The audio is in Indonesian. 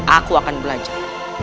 aku akan belajar